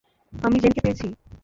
আমি জেন কে পেয়েছি।